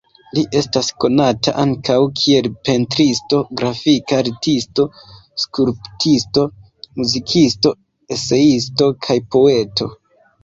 Li estas konata ankaŭ kiel pentristo, grafika artisto, skulptisto, muzikisto, eseisto kaj poeto.